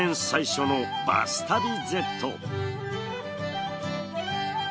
最初の「バス旅Ｚ」。